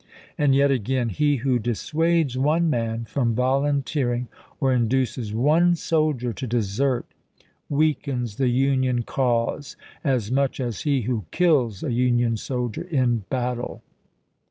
And yet again, he who dis suades one man from volunteering, or induces one sol dier to desert, weakens the Union cause as much as he who kills a Union soldier in battle.